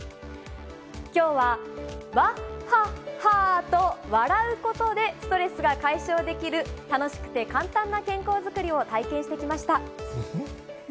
きょうは、ワッハッハと笑うことでストレスが解消できる、楽しくて簡単な健康作りを体験してきました。